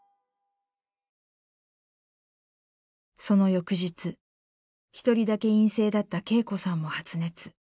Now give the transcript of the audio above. その翌日一人だけ陰性だった景子さんも発熱。